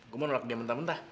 gue mau nolak dia mentah mentah